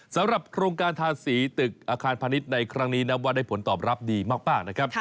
สำหรับโครงการทาสีตึกอาคารพาณิชย์ในครั้งนี้นับว่าได้ผลตอบรับดีมากนะครับ